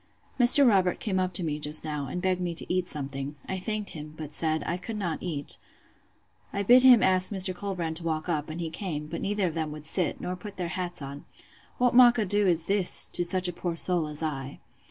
Mr. Robert came up to me, just now, and begged me to eat something: I thanked him; but said, I could not eat. I bid him ask Mr. Colbrand to walk up; and he came; but neither of them would sit; nor put their hats on. What mockado is this, to such a poor soul as I!